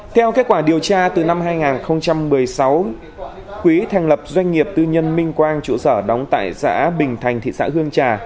theo kết quả điều tra từ năm hai nghìn một mươi sáu quý thành lập doanh nghiệp tư nhân minh quang trụ sở đóng tại xã bình thành thị xã hương trà